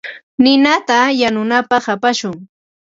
Ninata yanunapaq apashun.